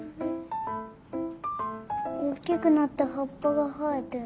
おっきくなってはっぱがはえてる。